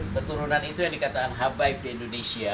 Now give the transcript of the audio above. keturunan itu yang dikatakan habib di indonesia